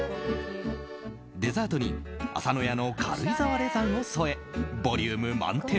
デザートに浅野屋の軽井沢レザンを添えボリューム満点